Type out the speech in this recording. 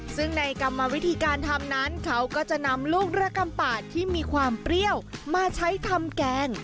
ซึ่งในกรรมวิธีการทำนั้นเขาก็จะนำลูกระกำปาดที่มีความเปรี้ยวมาใช้ทำแกง